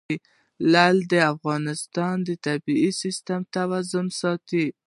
لعل د افغانستان د طبعي سیسټم توازن ساتي.